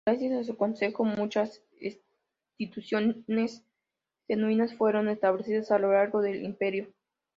Gracias a su consejo, muchas instituciones jesuitas fueron establecidas a lo largo del Imperio.